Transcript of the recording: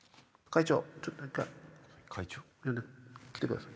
会長。